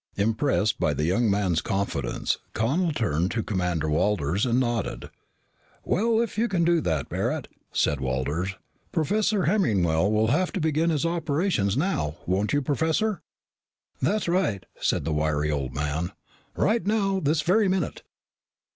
Impressed by the young man's confidence, Connel turned to Commander Walters and nodded. "Well, if you can do that, Barret," said Walters, "Professor Hemmingwell will have to begin his operations now, won't you, Professor?" "That's right," said the wiry old man. "Right now, this very minute."